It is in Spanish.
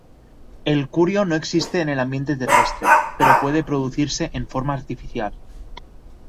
El curio no existe en el ambiente terrestre, pero puede producirse en forma artificial.